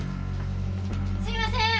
すいませーん！